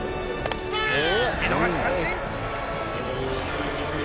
見逃し三振！